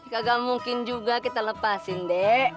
kagak mungkin juga kita lepasin dek